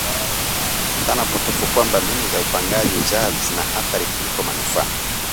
dhana potovu kwamba mbinu za upangaji uzazi zina athari kuliko manufaa